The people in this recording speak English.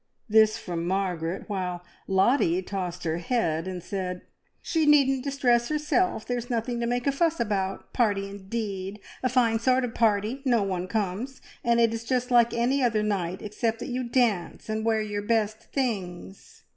this from Margaret, while Lottie tossed her head and said "She needn't distress herself! There is nothing to make a fuss about. Party, indeed! A fine sort of party! No one comes, and it is just like any other night, except that you dance and wear your best things!"